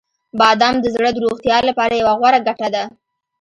• بادام د زړه د روغتیا لپاره یوه غوره ګټه ده.